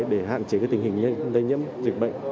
để hạn chế tình hình lây nhiễm dịch bệnh